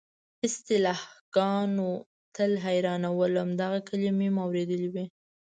اصطلاحګانو تل حیرانولم، دغه کلیمې مو اورېدلې وې.